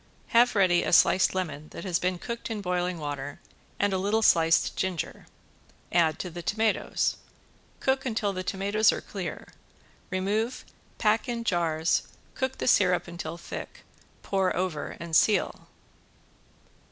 Have ready a sliced lemon that has been cooked in boiling water and a little sliced ginger. Add to the tomatoes. Cook until the tomatoes are clear, remove, pack in jars, cook the syrup until thick, pour over and seal.